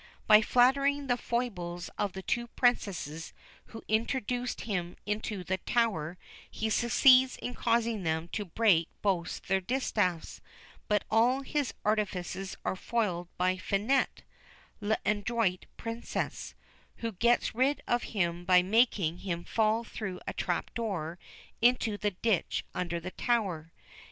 By flattering the foibles of the two Princesses who introduced him into the tower, he succeeds in causing them to break both their distaffs, but all his artifices are foiled by Finette (L'Adroite Princesse), who gets rid of him by making him fall through a trap door into the ditch under the tower.